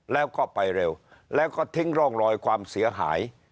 แล้วก็ไปเร็วแล้วก็ทิ้งร่องรอยความเสียหาย